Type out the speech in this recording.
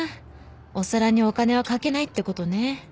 お皿にお金はかけないってことね。